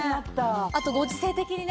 あとご時世的にね